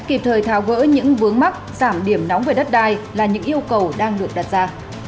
kịp thời tháo gỡ những vướng mắc giảm điểm nóng về đất đai là những yêu cầu đang được đặt ra